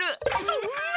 そんな。